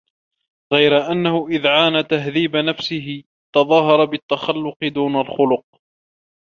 غَيْرَ أَنَّهُ إذَا عَانَى تَهْذِيبَ نَفْسِهِ تَظَاهَرَ بِالتَّخَلُّقِ دُونَ الْخُلُقِ